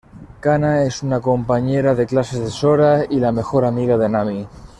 Kana es una compañera de clases de Sora y la mejor amiga de Nami.